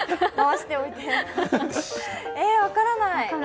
でも、分からない。